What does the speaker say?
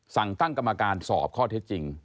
สั่งตั้งกรรมการสอบข้อเท็จจริง